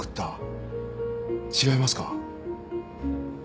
違いますか？